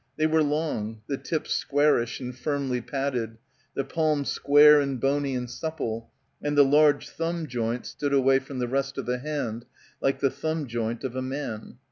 They were long, the tips squarish and firmly padded, the palm square and bony and supple, and the large thumb joint stood away from the rest of the hand like the thumb joint of a man.